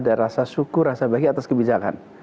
ada rasa syukur rasa bahagia atas kebijakan